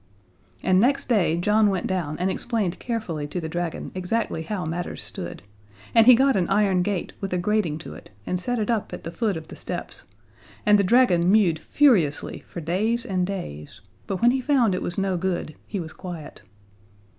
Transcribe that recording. And next day John went down and explained carefully to the dragon exactly how matters stood, and he got an iron gate with a grating to it and set it up at the foot of the steps, and the dragon mewed furiously for days and days, but when he found it was no good he was quiet.